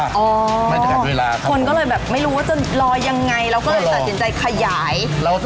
คนก็เลยแบบไม่รู้ว่าจะรอยังไง